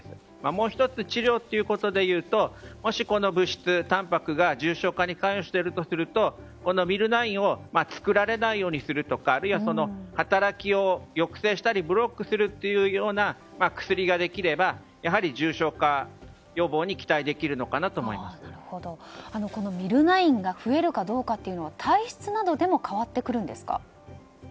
もう１つ治療ということでいうともしこの物質、たんぱくが重症化に関しているとするとミルナインを作られないようにするとかあるいは働きを抑制したりブロックするというような薬ができればやはり重症化予防にこのミルナインが増えるかどうかというのは体質などでも変わってくるんですか？